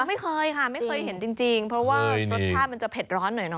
ไม่เคยค่ะไม่เคยเห็นจริงเพราะว่ารสชาติมันจะเผ็ดร้อนหน่อยเนอ